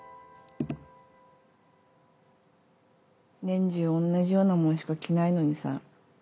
年中同じようなもんしか着ないのにさ。